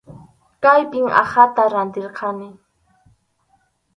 Kaypim aqhata rantirqani.